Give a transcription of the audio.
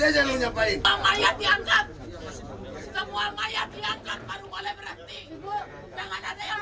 semua mayat diangkat baru boleh berhenti